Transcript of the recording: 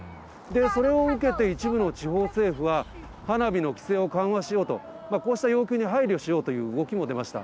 それを受けて一部の地方政府は、花火の規制を緩和しようと、こうした要求に配慮しようという動きも出ました。